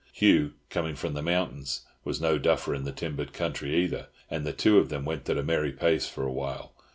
Hugh, coming from the mountains, was no duffer in timbered country either, and the two of them went at a merry pace for a while.